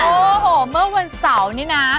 โอ้โหเมื่อวันเสาร์นี่นะ